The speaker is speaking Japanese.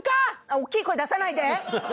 おっきい声出さないで！